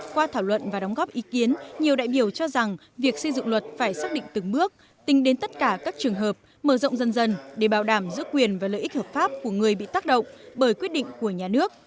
qua thảo luận và đóng góp ý kiến nhiều đại biểu cho rằng việc xây dựng luật phải xác định từng bước tính đến tất cả các trường hợp mở rộng dần dần để bảo đảm giữ quyền và lợi ích hợp pháp của người bị tác động bởi quyết định của nhà nước